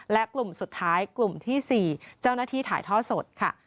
และกลุ่มสุดท้ายกลุ่มที่๔เจ้าหน้าที่ถ่ายท่อสดค่ะ